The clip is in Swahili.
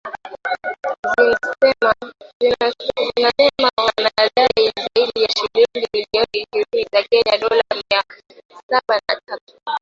zinasema wanadai zaidi ya shilingi bilioni ishirini za Kenya dola mia sabini na tatu